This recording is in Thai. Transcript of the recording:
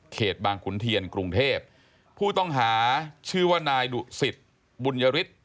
บางขุนเทียนกรุงเทพผู้ต้องหาชื่อว่านายดุสิตบุญยฤทธิ์